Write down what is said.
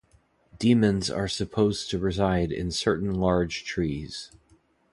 Demons are supposed to reside in certain large old trees.